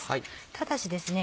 ただしですね